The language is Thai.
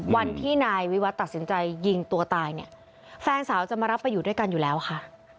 วันที่นายวิวัตรตัดสินใจยิงตัวตายเนี่ยแฟนสาวจะมารับไปอยู่ด้วยกันอยู่แล้วค่ะ